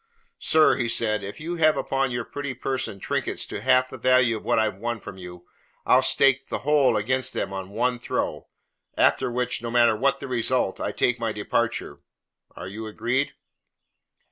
"Sir," he said, "if you have upon your pretty person trinkets to half the value of what I have won from you, I'll stake the whole against them on one throw, after which, no matter what the result, I take my departure. Are you agreed?"